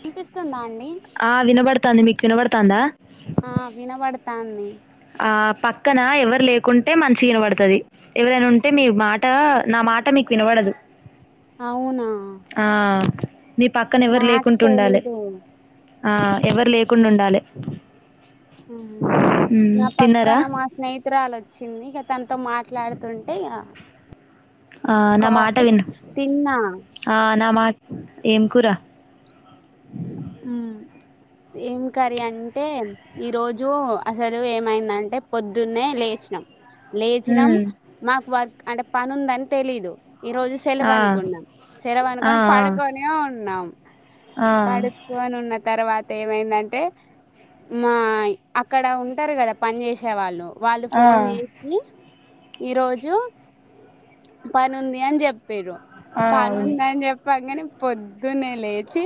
వినిపిస్తుందా అండి వినబడతాందా ఆ వినబడతాంది ఆ పక్కన ఎవరు లేకుంటే మంచి వినబడుతుది ఎవరైనా ఉంటే మీ మాట నా మాట మీకు వినబడదు అవునా నీ పక్కన ఎవరు నాకు లేకుంటుండాలి తెలీదు ఆ ఎవరు లేకుండా ఉండాలె హ నా తిన్నారా పక్కన మా స్నేహితురాలు వచ్చిందిక తన తోమాట్లాడుతుంటే ఆ నా మాట విను తిన్నా ఆ నా మాట ఏం కురా ఏం కర్రీ అంటే ఈ రోజు అసలు ఏమైందంటే పొద్దున్నే లేచినాం లేచినాం మ్మ్. మాకు వర్క్ అంటే పనుందని తెలీదు ఈ రోజు సెలవు ఆ అనుకున్నాం సెలవు ఆ అనుకొని పడుకొనే ఉన్నాం ఆ పడుకొని ఉన్న తర్వాత ఏమైందంటే మా అక్కడ ఉంటారు కదా పని చేసే వాళ్ళు వాళ్ళు ఆ ఫోన్ ఆ చేసి ఈ రోజు పను ఉంది అని చెప్ పేరు పని అవును ఉందని చెప్పగాని పొద్దు పొద్దునే లేచి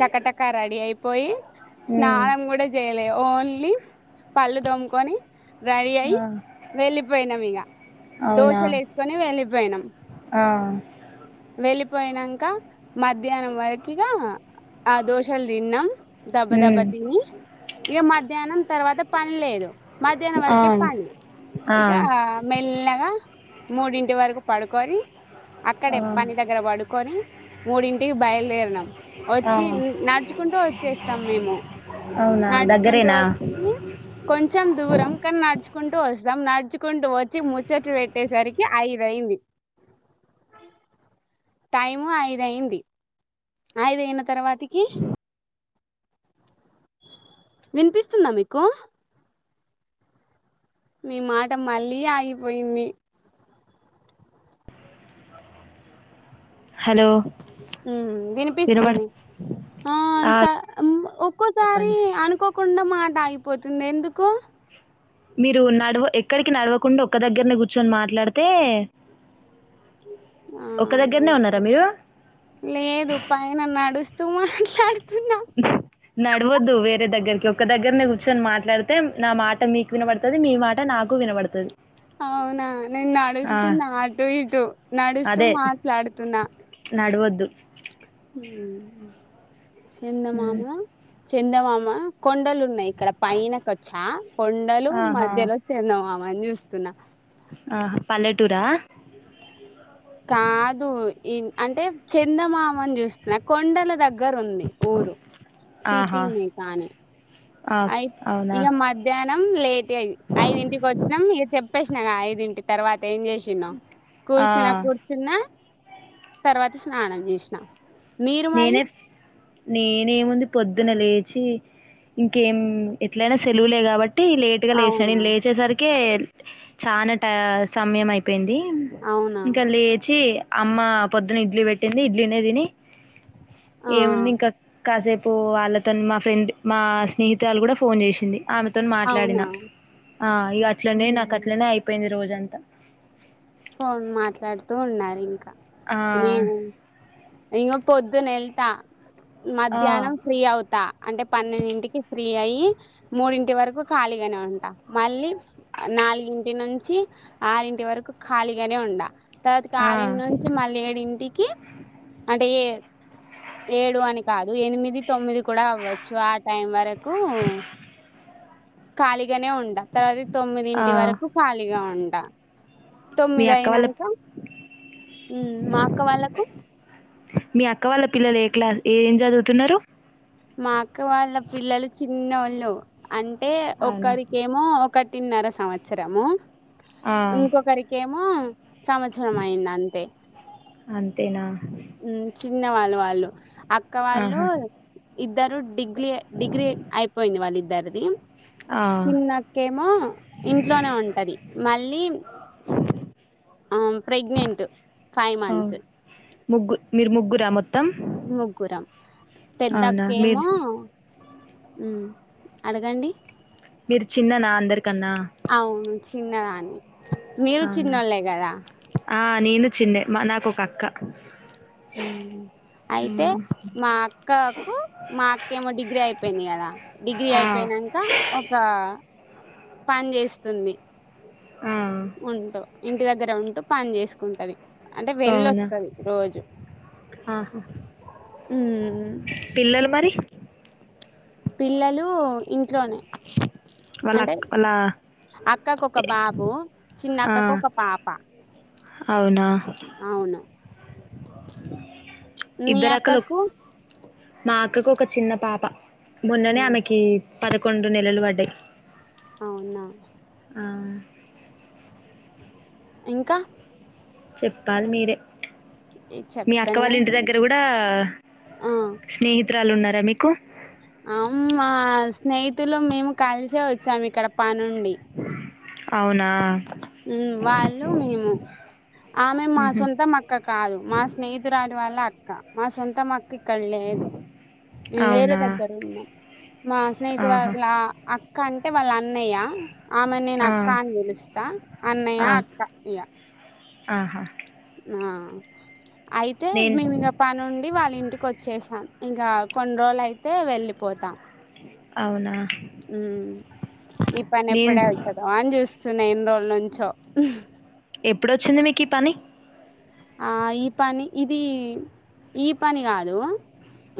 టకటకా రెడీ అయిపోయి మ్మ్. స్నానం కూడా చేయ ఓన్లీ పలు దమ్కని రెడీ అయిి ఆ వెళ్ళిపోయినాం ఇక అవునా దోశలు వేసుకొని వెళ్ళిపోయినాం ఆ వెళ్ళిపోయినాక మధ్యాహ్నం వరకుగా ఆ దోశలు తిన్నాం దబ్బ దబ్బ మ్మ్. తని ఇక మధ్యాహ్నం తర్వాత పని లేదు మధ్యాహ్నం ఆ వరకే ఆ పనిఇకా మెల్నగా మూడింటి వరకు పడుకొని అక్కడే ఆ పని దగ్గర పడుకొని మూడింటికి బయలుదేరినాం ఆ వచ్చి నడుచుకుంటూ వచ్చేస్తాం మేము అవునా నడుచుకుంటూ దగ్గరేనా వచ్చి కొంచెం దూరం కానీ నడుచు నడుకుంటూ వస్తాం నడుచుకుంటూ వచ్చి ముచ్చటి పెట్టేసరికి అఐదయింది టైము అయిదయింది అఐద అయిన తర్వాతికి వినిపిస్తుందా మీకు మీ మాట మళ్ళీ ఆగిపోయింది హలో వినబడు వినిపిస్తుంది ఆ ఒక్కోసారి చెప్పండి అనుకోకుండా మాట ఆగిపోతు తింది ఎందుకు మీరు నడవ ఎక్కడికి నడవకుండా ఒక్క దగ్గరని కూర్చొని మాట్లాడితే ఆ ఒక్క దగ్గరనే ఉన్నారా ఓకే మీరు లేదు పైన నడుస్త త మాలాడు నడవద్దు వేరే దగ్గరికి ఒక దగ్గర న కూర్చొని మాట్లాడితే నా మాట మీకు వినబడుతుది మీ మాట నాకు వినబడుతుది అవునా నేను నడుస్తున్నా అటు ఇటు నడుస్తూ అదే మాట్లాడుతున్నా నడవద్దు అ చెంద మామా చెండమామ కొండలుూరు నై ఇక్కడ పైనకొచ్చా కొండలు ఆహా మధ్యలో చిందంమని చూస్త నా ఆ పల్లెటూరా కాదు. అంటే చందమామని చూస్తున్నా కొండల దగ్గర దగ్గర ఉంది ఊరు ఆహా సిటీనే కానీ ఆ అయి అవునా ఇక మధ్యాహ్నం లేట్ అయి ఐదింటికి వచ్చినాం ఇక చెప్పేసినఐ ఇంటి తర్వాత ేం చేసిన్న ఆ కూర్చిన న్న తర్వాత స్నానం చేసణ మీరు మరి నేనే నేనేముంది పొద్దున లేచి ఇంకేం ఎట్లయినా సెలవులే కాబట్టి అ లేట్ గా లేసాను అవునా? నేను లేచేసరికి చాలా ట సమయం అయిపో అపోయింది అవునా? ఇంకా లేచి అమ్మ పొద్దున్న ఇడ్లీ పెట్టింది ఇడ్లీనే తిని ఆ! ఏముంది ఇంకా కాసేపు వాళ్ళతో మా ఫ్రెండ్ మా స్నేహితురాలు కూడా ఫోన్ చేసింది ఆమెతో అవునా? మాట్లాడిన ఆ ఇ అట్లనే నాకు అట్లనే హ్మ్. అయిపోయింది రోజంతా ఫోన్ మాట్లాడుతూ ఉన్నారు ఇంకా ఆ ఇంగ పొద్దు నెల్తా ఆ, మధ్యాహ్నం ఫ్రీ అవుతా అంటే పన్నెండింటికి ఫ్రీ అయి మూడింటి వరకు ఖాళీగానే ఉంటా మళ్ళీ నాలుగింటి నుంచి ఆరింటి వరకు ఖాళీగానే ఉండ తర్వాత ఆ, ఆారింటి నుంచి మళ్ళీ ఏడి ఇంటికి అంటే ఏ ఏడుు అని కాదు ఎనిమిది తొమ్మిది కూడా అవ్వచ్చు ఆ టైం వరకు కాలిగానే ఉండా తర్వాత ఆ. తొమ్మిదింటి వరకు ఖాళీగా ఉంటా మీ తొమ్మిది అక్క వాళ్ళ అయినాక మా అక్క వాళ్ళకు మీ అక్క వాళ్ళ పిల్లలు ఏ క్లా ఏ ఏం చదువుతున్నారు మాకు వాళ్ళ పిల్లలు చిన్న హలో అంటే అవునా ఒకరికేమో ఒక పుట్టిన్నర సంవత్సరము ఆ! ఇంకొకరికిేమో సంవత్సరం అయింది అంతే అంతేనా చిన్నవాళ్ళు వాళ్ళు అక్క వాళ్ళు ఆహా ఇద్దరు డిగ్రీ డిగ్రీ అయిపోయింది వాళ్ళు ఇద్దరు ంటదం ఆ! చిన్నక్కేమో ఇంట్లోనే ఉంటది మళ్ళీ ప్రెగ్నెంట్ ఫైవ్ మంత్స్ ముగురా్రా ముగ్గురం అవునా పెద్దక్క మీరు ఏమో అడగండి మీరు చిన్న నా అందరికి అవును చిన్నదాన్ని మీరు అవునా చిన్నోళ్ళే కదా నేను చిన్న మా నాకు ఒకక అక్క అయితే హ్మ్. మా అక్కకు మా అక్కేమో డిగ్రీ అయిపోయింది కదా డిగ్రీ ఆ! అయిపోయినాక ఒక పని చేేస్తుంది ఆ! ఉంట ఇంటి దగ్గర ఉంటు పని చేసుకుంటది అంటే అవునా వెళ్ళొస్తది రోజు ఊ పిల్లలుమరి పిల్లలు ఊ ఇంట్లోనే వాళ్ళ అంటే అక్క వాళ్ళ అక్కకు ఒక బాబు ఆ! చిన్నక్కకు ఒక పాప అవును మీ ఇద్దర అక్కలు అక్కకు నా అక్కకు ఒక చిన్న పాప మొన్ననే హ్మ్. ఆమెకి పదకొండు నెలలు బడ్డయి అవునా ఇంకా చెప్పాల్ మీరే ఏ మీ అక్క చెప్తానే వాళ్ళ ఇంటి దగ్గర ఉన్నాను కూడా స్నేహితురాల్లు ఉన్నారా మీ ఆమ్ మా స్నేహితులం మేము కలిసే వచ్చాం ఇక్కడ పనుండి అవునా ఊ వాళ్ళు మేము ఆమె మా మ్హూ. సొంతం అక్క కాదు మా స్నేహితురాలు వాళ్ళ అ క్క మా సొంతమ ఇక్కడలేదు మేము వేరే అవునా దగ్గర ఉన్నాం మా స్నేహితు ఆహా వాళ్ళ అక్ కంటె వాళ్ళ అన్నయ్య ఆమెను నేను ఆ, అక్కా అని పిలుస్తా అన్నయ ఆ, అక్క ఇగ ఆహా ఆ అయితే నేను మేము ఇంగ పనుండి వాల్ ఇంటికి వొచ్చేసాం ఇంకా కొన్ని రోజులు అయితే వెళ్లిపోతాం అవునా ఉ ఈ పని నేను ఎప్పుడవుతుందో అని చూస్ సో నేన్ ఎన్నిరోజులు నుంచో ఎప్పుడొచ్చింది మీకీ పని ఆ ఈ పని ఇది ఈ పని కాదు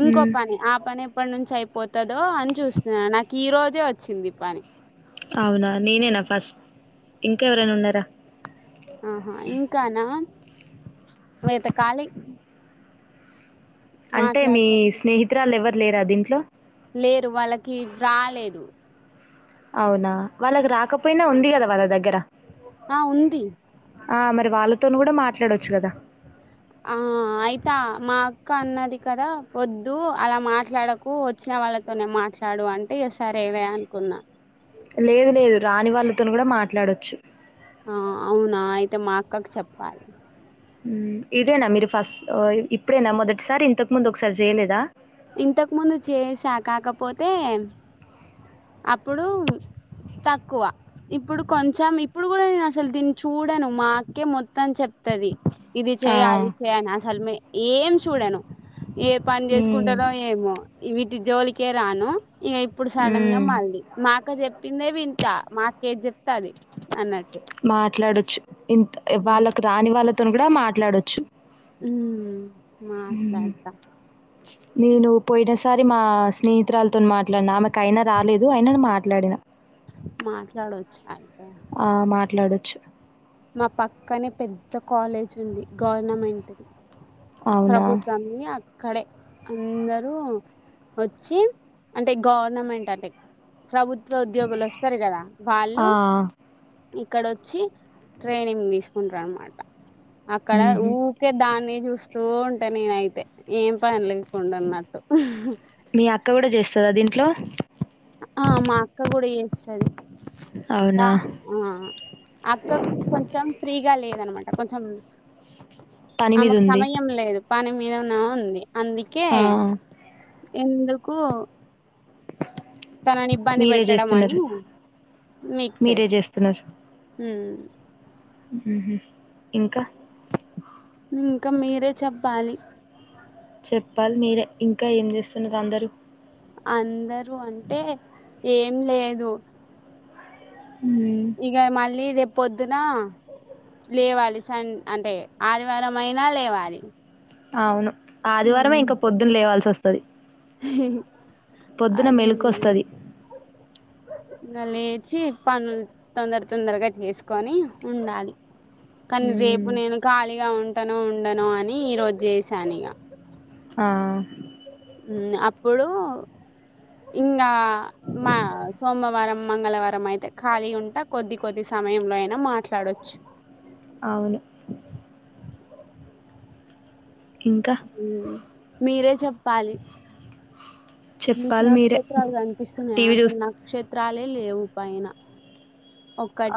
ఇంకో మ్, పని ఆ పని ఎప్పటి నుంచి అయి పోత్ ఓ అని జూస్తున్నా నాకీ రో వచ్చింది పని అవునా నేనేనా ఫస్ట్ ఇంకెవరైనా ఉన్నారా ఆహా ఇంకానా వెతకాలి అంటే మీ మాట్లాడుతున్నా స్నేహితురాలు ఎవరు లేరా దీంట్లో లేరు వాళ్ళకి రాలేదు అవునా వాళ్ళకి రాకపోయినా ఉంది కదా వాళ్ళ దగ్గర ఆ ఉంది ఆ మరి వాళ్ళతోను కూడా మా ఆ అయితా మా అక్క అన్నది కదా వొద్దు అలా మాట్లాడకు వచ్చిన వాళ్ళతోనేే మాట్లాడు అంటే ఇగ సరేలే అనుకున్నా లేదు లేదు రాని వాళ్ళతో ను కూడా మాట్లాడొచ్చు ఆ అవునా అయితే మా అక్కకి చెప్పాలి మ్ ఇదేనా మీరు ఫస్ట్ ఇప్పుడేనా మొదటిసారి ఇంతకు ముందు ఒకసారి చేయలేదా పొతేే అప్పుడు తక్కువ ఇప్పుడు కొంచెం ఇప్పుడు కూడా నేను అసలు దీన్ని చూడను మా అక్కే మొత్తం చెప్ తది ఇది ఆ! చెయ్ అది చెయ్ అని అసలుమే ఏం చూడను ఏ పని హ్మ్. చేసుకుంటారో ఏమో వీటి జోలికే రాను ఇక ఇప్పుడు సడన్ హ్మ్. మళ్ళీ మా అక్క చెప్పిందే వింట మా అక్క ఏది చెప్తే అది అన్నట్టు మాట్లాడొచ్చు. ను కూడా మాట్లాడొచ్చు ఉమ్ ఊహు మాట్లాడతా నేను పోయిన సారి మా స్నేహితురాలతో మాట్లాడిన ఆమె కయినా రాలేదు అయన మాట్లాడిన మాట్లాడొచ్చాయ్ ఆ మాట్లాడొచ్చు మా పక్కనే పెద్ద కాలేజ్ ఉంది గవర్నమెంటుది అవునా? ప్రభుత్వాన్ని ఆ అక్కడే అందరూ వచ్చి అంటే గవర్నమెంట్ అంటే ప్రభుత్వ ఉద్యోగులు వస్తారు కదా ఆ! వాళ్ళు ఆ! ఇక్కడొచ్చి ట్రైనింగ్ తీసుకుంటారన మాట అక్కడ హుహు. ఊరికే దాన్ని చూస్త తూ ఉంటా నేనైతే ఏం పని లేకుండాన్నట్టు అ దీంట్లో ఆ మా అక్క కూడా చేస్తది వ అవునా? ఆ అక్క కొంచెం ఫ్రీగా లేదనమాట ప్రపంచం పని ఆమె కు మీదుంది. సమయం లేదు పని మీదనే ఉంది అందుకే ఆ! ఎందుకు తనని ఇబ్బంది మీరే పెట్టడం అని జేస్తున్నారు. మీక్ మీరే చేసి జేస్తున్నారు. ఇంకా ఇంకా మీరే చెప్పాలి చెప్పాలి మీరే ఇంకా ఏం చేస్తున్నరూ అందరూ అందరు అంటే ఏం లేదు మ్మ్ ఇక మళ్ళీ రేపు పొద్దున లేవాలి స అంటే ఆదివారం అయినా లేవాలి అవును ఆదివారమే ఇంకా పొద్దున్న లేవాల్సి వస్ పది హ అది కదా వస్తది లేచీ పనులు తొందర తొందరగా చేసుకొని ఉండాలి కానీ రేపు మ్మ్ నేను ఖాళీగా ఉంటాను ఉండను అని ఈరోోజ్ జెసా నిగా ఆ హామ్ అప్పుడు ఇంకా మా సోమవారం మంగళవారం అయితే ఖాళీ ఉంటా కొద్ది కొద్ది సమయంలో అయినా మాట్లాడొచ్చు అవును ఇంకా హ్మ్. మీరే చెప్పాలి మీకు చెప్పాలి మీరే నక్ష్త్రాలు కనిపిస్తున్నాయా టీవీ అసలు చూస్ నాక్ష్త్ర త్రాలే లేవు పైన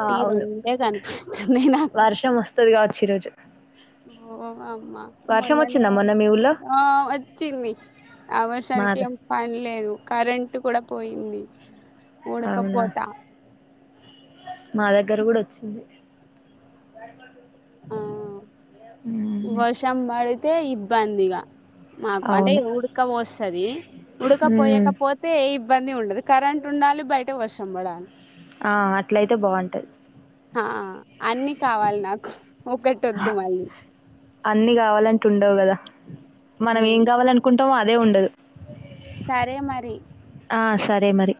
ఆ అవును రెండే కనిపిస్తున్నాయి నాకు వర్షం వస్తది కావచ్చు ఈరోజు ఓ అమ్మా వర్షం మొన్ననే వచ్చిందా మొన్న వర్ష మీ ఊళ్ళో ఆ వచ్చింది ఆ వర్షానికి మాద ఏం పని లేదు కరెంు కూడా పోయింది అవునా ఉడకపోతా మా దగ్గర గుడా వచ్చింది ఆ మ్మ్ వర్షం బడి తే ఇబ్బందిగా మాకు అంటే అవును ఉడక వోస్తది మ్మ్ ఉడకపోయకపోతే ఈ ఇబ్బంది ఉండదు కరెంట్ ఉండాలి బయట వర్షం బడాలి ఆ అట్లయితే బాగుంటది హ అన్ని కావాలి నాకు ఒకటి ఒద్దు మళ్ళీ అన్ని కావాలంటే ఉండవు కదా మనం ఏం ఉమ్ కావాలనుకుంటే అదే ఉండదు సరే మరి ఆ, సరే మరి